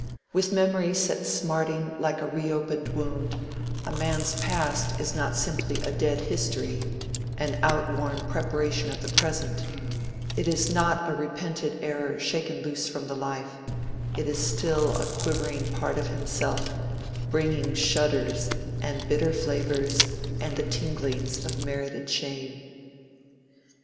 With memory set smarting like a reopened wound, a man's past is not simply a dead history, an outworn preparation of the present: it is not a repented error shaken loose from the life: it is a still quivering part of himself, bringing shudders and bitter flavors and the tinglings of a merited shame.